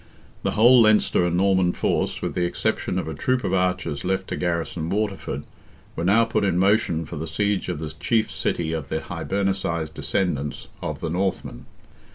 The whole Leinster and Norman force, with the exception of a troop of archers left to garrison Waterford, were now put in motion for the siege of the chief city of the Hibernicized descendants of the Northmen.